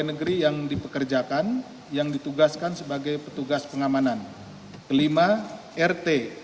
tertiga yang dibutuhkan oleh pengarah r insulinik indonesia yang ditutupkan oleh film korea asia asia satu